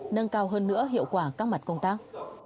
nâng cao hơn nữa hiệu quả các mặt công tác